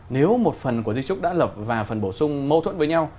nếu một phần của di trúc đã lập và phần bổ sung mâu thuẫn với nhau